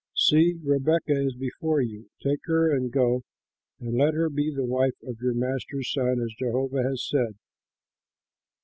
See, Rebekah is before you; take her and go and let her be the wife of your master's son, as Jehovah has said."